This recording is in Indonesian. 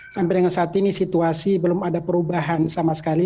sampai dengan saat ini situasi belum ada perubahan sama sekali